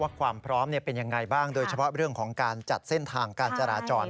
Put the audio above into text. ความพร้อมเป็นยังไงบ้างโดยเฉพาะเรื่องของการจัดเส้นทางการจราจร